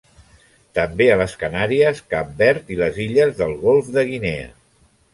També a les Canàries, Cap Verd i les illes del Golf de Guinea.